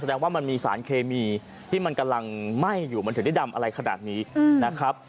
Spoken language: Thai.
แสดงว่ามันมีสารเคมีที่มันกำลังไหม้อยู่มันถึงได้ดำอะไรขนาดนี้นะครับ